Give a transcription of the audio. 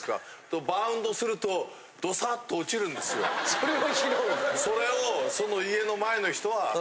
それを拾う？